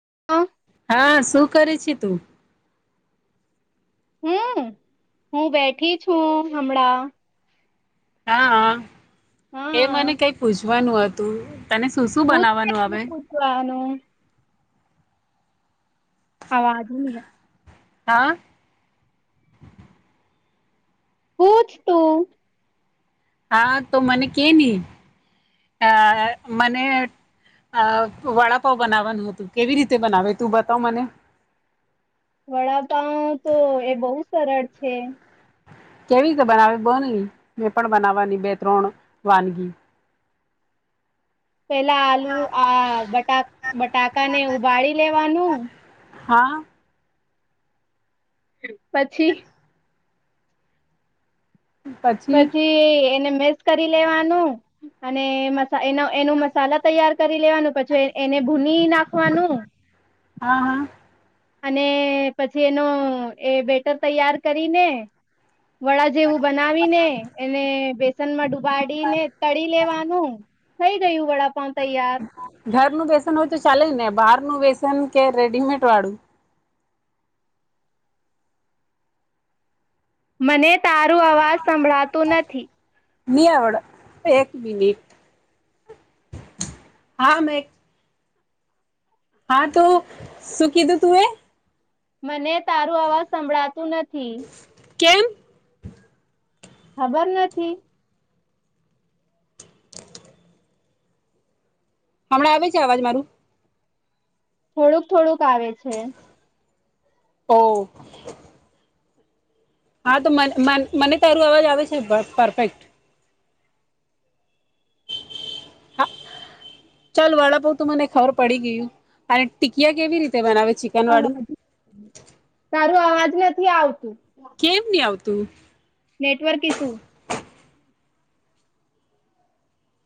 [unintelligible] હા, શું કરે છે તું? હમ, હું બેઠી છું હમણાં. હા હા. એ મને હા કઈ પૂછ વાનું અતું. [unintelligible] [unintelligible] હા. પુછ તું. હા, તો મને કેને. અહ મને અહ વડાપાવ બનાવવાનું હતું. કેવી રીતે બનાવે તું બતાવ મને? વડાપાઉ તો એ બહુ સરળ છે. કેવી રીતે બનાવે [unintelligible] મેં પણ બનાવવાની બે ત્રણ વાનગી. પેલા આલુ આ બટા બટાકાને ઉબાડી લેવાનું હા. પછી પછી એ એને [unintelligible] કરી લેવાનું અને મસ સા એનો એનું મસાલા તૈયાર કરી લેવાનું, પછી અ એને ભૂની નાખવાનું. હા હા અને પછી એનો એ બેટર તૈયાર કરીને, વડા જેવું બનાવીને એને બેસનમાં ડૂબ બાડીને તળી લેવાનું. થઈ ગયું વડાપાઉ તૈયાર. ચાલેને. બહારનું બેસન કે રેડીમેટ વાળું મને તારું અવાજ સંભળાતું નથી. ની આવડે, એક મિનિટ હા. મે હા તું શું કીધું તું એ? મને તારું અવાજ સંભળાતું નથી. કેમ? ખબર નથી. હમણાં આવે છે અવાજ મારું? થોડુંક-થોડુંક આવે છે. ઓહ! હા તો મન મન મને તારું અવાજ આવે છે બ પરફેક્ટ. હા ચાલ વડાપાવ તો મને ખબર પડી ગયું. અને ટીકિયા કેવી રીત તે બનાવે ચિકન વાળું? અવાજ તારું અવાજ નથી આવતું. કેમ ની આવ તું. નેટવર્ક ઈશું.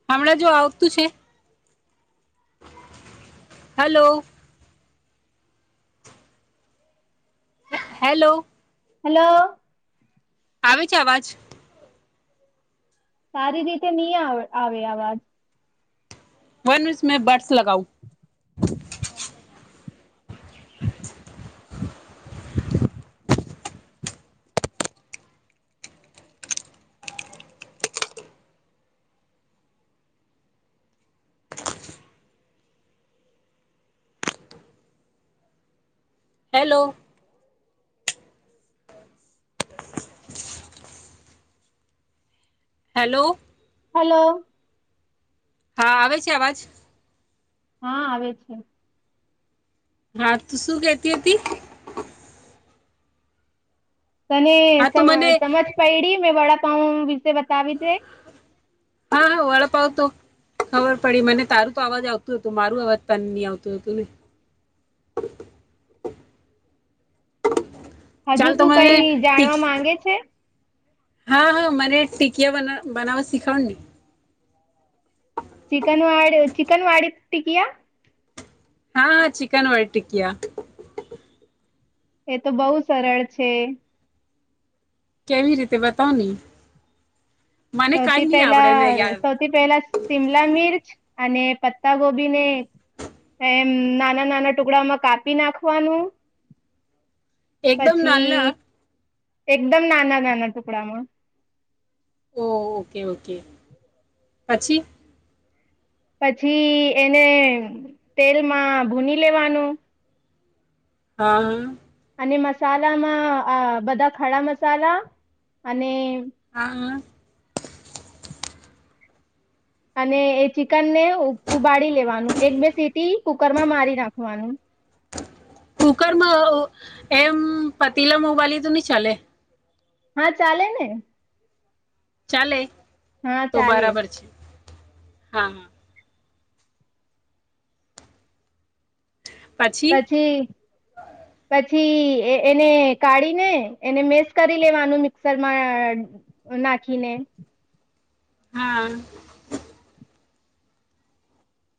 હમણાં જો આવતું છે? હાલો. હે હેલો. હેલો. આવે છે અવાજ? સારી રીતે ની આ આવે આવાજ. વનુસ મે બડ્સ લગાઉ. હેલો. હેલો. હલો. હા આવેે છે આવાજ? હા આવે છે. હા તું શું કેતી હતી? તને, હા તો સ મને સમજ પયડી મેં વડા [unintelligible] તે બતાવી છે--? હા હા વડાપાવ તો ખબર પડી મને તારું તો અવાજ આવતું હતો. મારું અવાજ પણ નહી આવતું હતું ને હજુ ચાલ તો તું મને કઈ ટીક જાણવા માંગે છે? હા હા મને ટીકિયા બનાવ બનાવવા શીખવ ની ચિકન વાડી ચિકન વાડી ટીકિયા? હા, હ ચિકન વારી ટિકિયા એ તો બહુ સરળ છે કેવી રીતે બતાવની--? સૌથી પહેલા, સૌથી પહેલા શિમલા મિર્ચ અને પત્તા ગોબી ને, એમ નાના નાના ટુકડામાં કાપી નાખવાનું એકદમ પછી નાના? એકદમ નાના નાના ટુકડામાં ઓ ઓકે ઓકે પછી? પછી એને તેલમાં ભૂની લેવાનું હા હમ, અને મસાલામાં, આ બધા ખડા મસાલા અને હા હા, અને એ ચિકન ને ઉબાડી લેવાનું, એક બે સીટી કુકરમાં મારી નાખવાનું કુકરમાં એમ, પતીલામાં ઉબાલી એ તો નઈ ચાલે? હા ચાલે ને. ચાલે? હા તો ચાલે બરાબર છે. હા હા, પછી પ છી એને કાઢીને એને મેસ કરી લેવાનું, મિક્સરમાં નાખીને. હાઆઆ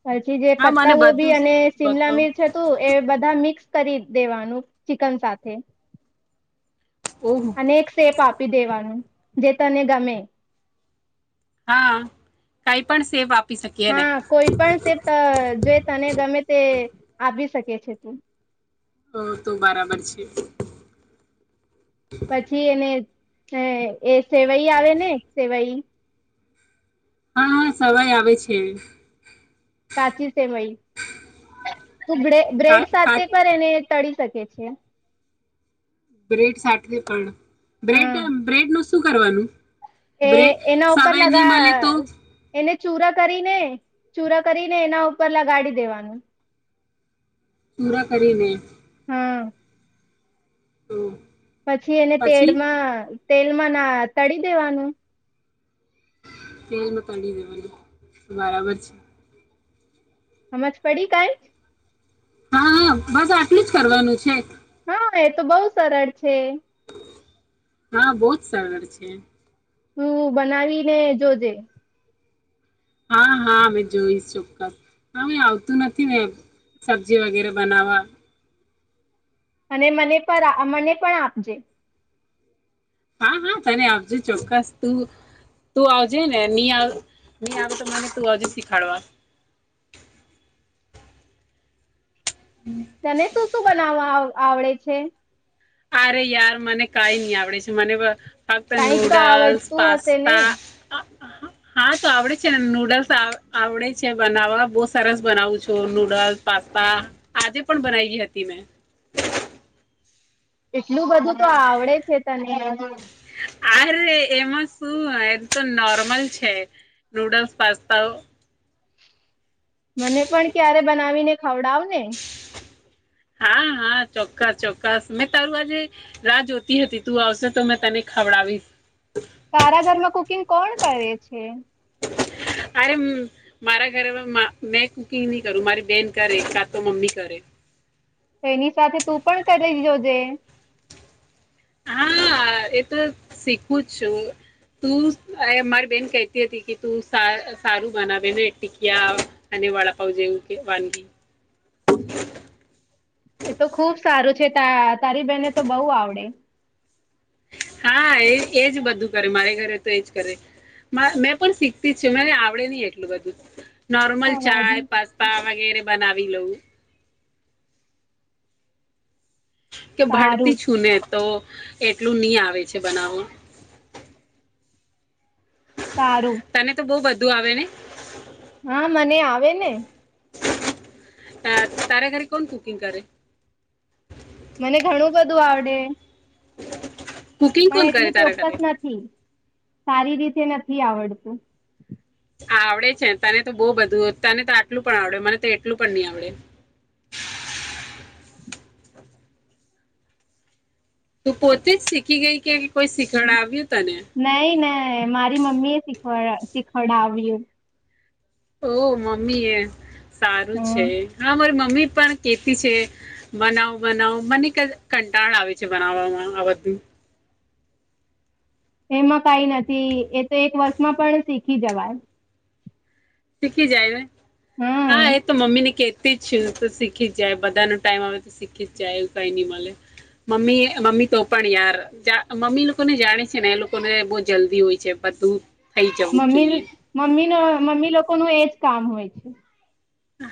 પછી જે હા મને પત્તા ગોભી બધું જ અને શિમલા બતાવ મિર્ચ હતું, એ બધા મિક્સ કરી દેવાનું ચિકન સાથે. ઓહ અને એક સેપ આપ આપી દેવાનું જે તને ગમે. હા કઈ પણ સેપ આપ હા કોઈ પણ સેપ ત જોઈ તને ગમે તે, આપી શકે છે તું. તો તો બરાબર છે. પછી એને હે એ સેવાઈ આવે ને, સેવાઈ? હા હા સવઈ આવે છે, કાચી સેવઈ તુ બ્રે કા બ્રેડ કા સાથે કરે ને ટળી શકે છે, બ્રેડ સાથે પન હા બબ્રેડ્યમ બ્રેડનું સુ શું કરવાનું? એ બ્રે એના ઉપર સવાય નહી લગા અ મળે તો એને ચૂરા કરીને ચૂરા કરીને એના ઉપર લગાડી દેવાનું પૂરા કરીને હા તો પછી એને પછી તેડમાં તેલમાં ના તળી દેવાનું તેલમાં તડી દેવાનું બરાબર છે, હમજ પડી કાઈ? હા બસ આટલું જ કરવાનું છે. હા એ તો બઉુ સરળ છે. હા બહુ જ સરળ છે. તું બનાવીને જોજે. હા હા અમે જોઈશ ચોક્કસ હવે આવતું નથી મેને સબ્જી વગેરે બનાવવા. અને મને પણ મને પણ આપજે હા હા તને આવજે ચોક્કસ તું તું આવજે ને આવ તો મને તું આવજે શીખાડવા. તને શું શું બનાવવા આવ આવડે છે? અરે યાર મને કાઈ નહી આવડે છે, મને હ કઈક તો નૂડલ્સ આવડતું હશે ને પાસ્તા હા તો આવડે છે ને નુડલ્સ આવડે છે, બનાવવા બહ સરસ બનાવું છું નુડલ્સ પાસ્તા આજે પણ બનાવી હતી, મેં એટલું બધું તો આવડે છે, તને. આરે એમાં શું એ તો નોર્મલ છે, નુડલ્સ પાસ્તાઓ. મને પણ ક્યારે બનાવીને ખવડાવ ને. હા હા ચોક્કસ ચોક્કસ મેં તારું આજે રાહ જોતી હતી, તું આવશે તો મેં તને ખવડાવીશ. તારા ઘરમાં કુકિંગ કોણ કરે છે? અરે મારા ઘરેમાં મેં કુકિંગ નહી કરું મારી બેન કરે કા તો મમ્મી કરે. તો એની સાથે તું પણ કરી જોજે. હા એ તો શીખવું જ છું, તું મારી બેન કહેતી હતી કે તું સારું બનાવે ને ટીકિયા અને વડાપઉ જેવું કે વાનગી. એ તો ખુબ સારું છે, તારી બેહેને તો બઉ આવડે. હા, એ એજ બધું કરે મારે ઘરે તો એજ કરે મેં પણ શીખતી જ છે, મને આવડે નહ એટલું બધું. નોર્મલ ચાાય પાસ્તા વગેરે. બનાવી લવું. કે સારું ભનતી છૂને. તો એટલું નહી આવે છે બનાવા. સારું તને તો બહ બધું ધું આવે ને હા મને આવે ને. તારે ઘરે કોણ કુકિંગ કરે? મને ઘણું બધું આવડે. કુકિંગ પણ કોણ કર એટલું તાર ઘરે? ચોક્કસ નથી સારી રીતે નથી આવડતું. આવડે છે તને તો બહ બધું તને તો આટલું પણ આવડે મને તો એટલું પણ નહી આવડે. તું પોતે જ શીખી ગઈ કેમ નહી ના મારી મમ્મી એ સિખ વળ શીખડ આવ્યું. ઓહ મમ્મી એ. સારું છે હમ હા મારી મમ્મી મમ્મી પણ કેતી છે બનાવ બનાવ મને કન કંટાળ આવે છે બનાવવામાં આ બધું. એમાં કાંઈ નથી એ તો એક વર્ષમાં પણ શીખી જવાય. શીખી જાયને? હા, હમ એ તો મમ્મીને કે તી જ છું. એ તો શીખી જ જાય. બધાનો ટાઈમ આવે તો શીખી જ જાય એવું કાંઈ નહી મલે. મમ્મી એ મમ્મી તો પણ યાર જા મમ્મી લોકોને જાણે છે ને એ લોકોને બો જલ્દી હોય છે બધું થઈ જવું જ મમ્મીન જોઈએ મમ્મીનો મમ્મી લોકોનું એજ કામ હોય છે.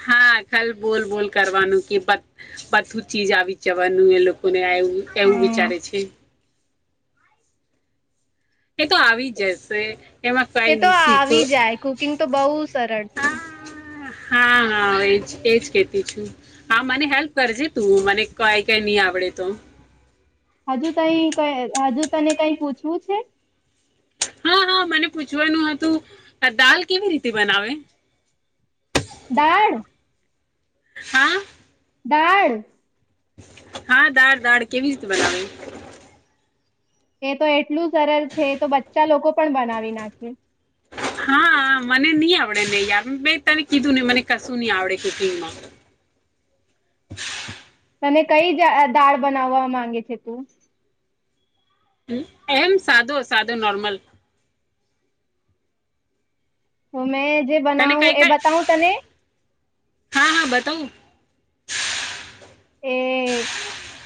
હા, ખાલ બોલ બોલ કરવાનું કે બધ બધું જ ચીજ આવી જવાનું એ લોકોને આ એવ. એવું હમ વિચારે છે. એ તો આવી જશે. એમાં કઈ એ તો નહી શીખો આવી જાય. કુકિંગ તો બહુ સરળ છે. હા હા એજ એજ કેતી છું. હા મને હેલ્પ કરજે તું મને કઈ કઈ નહી આવડે તો. હજુ તઈ ક હજુ તને કઈ પૂછવું છે? હા-હા મને પૂછવાનું હતું. દાલ કેવી રીતે બનાવે? દાળ? હા. દાળ? હા, દાળ-દાળ કેવી રીતે બનાવે? એ તો એટલું સરલ છે. એ તો બચ્ચા લોકો પણ બનાવી નાખે. હા, મને ની આવડે ને યાર. મે તને કીધું ને મને કશું ની આવડે કુકિંગમાં. તને કઈ જા દાળ બનાવવા માંગે છે તું? એમ સાદો સાદો નોર્મલ. હઅ મેં જે તને બનાવું એ કઈ-કઈ બતાવું તને હા હા બતાવું. એ-એ-એ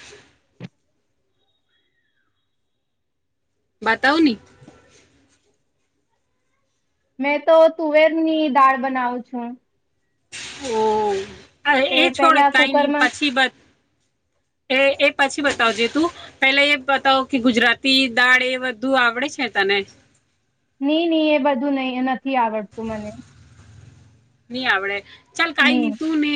[unintelligible] બતાવની. મેં તો તુવેરની દાળ બનાવું છું. ઓહ! અ એ છોડ પેલા કાંઈ નઈ કુકરમાં પછી બત એ એ પછી બતાવજે તું. પેલા એ બતાવ કે ગુજરાતી દાળ એ બધું આવડે છે તને? ની ની એ બધું નઈ-નથી આવડતું મને. ની આવડે? ચાલ નહી કાંઈ ન તુંને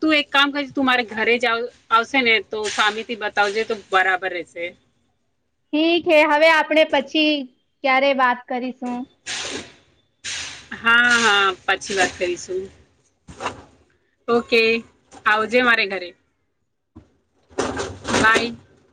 તું એક કામ કરજ તું મારે ઘરે જ આવ આવશે, ને તો સામેથી બતાવજે તો બરાબર રહેશે. ઠીક હે હવે આપણે પછી ક્યારે વાત કરીશું. હા, હા પછી વાત કરીશું. ઓકે, આવજે મારે ઘરે. બાય.